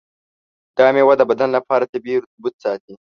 دا میوه د بدن لپاره طبیعي رطوبت ساتي.